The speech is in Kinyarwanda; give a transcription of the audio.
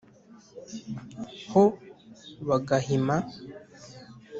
ho ba gahima